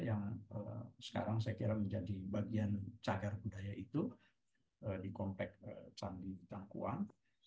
yang sekarang saya kira menjadi bagian cagar budaya itu di kompleks candi tangkuang